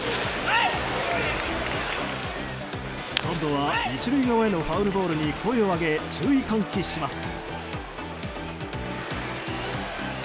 今度は１塁側へのファウルボールに声を上げ注意喚起します。